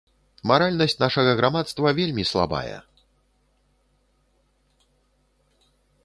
Маральнасць нашага грамадства вельмі слабая.